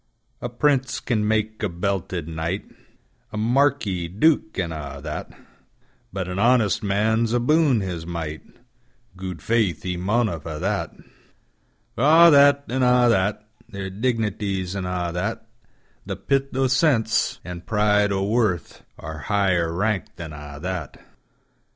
A prince can mak a belted knight,A marquis, duke, an' a' that; But an honest man's abon his might, Gude faith, he maunna fa' that! For a' that, an' a' that, Their dignities an' a' that; The pith o' sense, an' pride o' worth, Are higher rank than a' that.